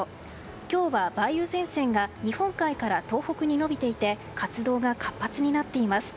今日は、梅雨前線が日本海から東北に延びていて活動が活発になっています。